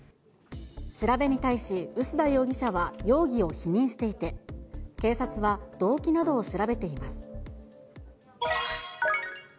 調べに対し、臼田容疑者は容疑を否認していて、警察は動機などを調べています。